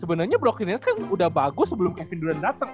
sebenernya brocklyn next kan udah bagus sebelum kevin duran dateng